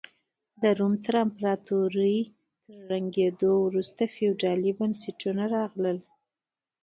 د روم امپراتورۍ تر ړنګېدو وروسته فیوډالي بنسټونه راغلل.